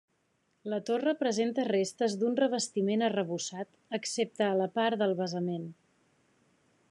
La torre presenta restes d'un revestiment arrebossat, excepte a la part del basament.